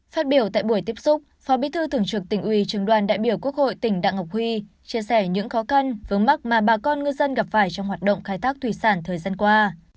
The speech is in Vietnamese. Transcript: phát biểu tại buổi tiếp xúc phó bí thư thường trực tỉnh ủy trường đoàn đại biểu quốc hội tỉnh đặng ngọc huy chia sẻ những khó khăn vướng mắt mà bà con ngư dân gặp phải trong hoạt động khai thác thủy sản thời gian qua